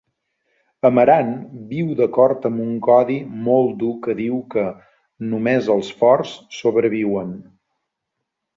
Amarant viu d'acord amb un codi molt dur que diu que "només els forts sobreviuen".